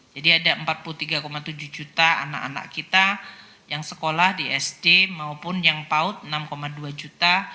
jadi ada empat puluh tiga tujuh juta anak anak kita yang sekolah di sd maupun yang paut enam dua juta